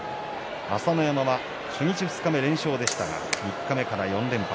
朝乃山は初日二日目連勝でしたが三日目から４連敗。